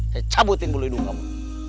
saya cabutin bulu hidung kamu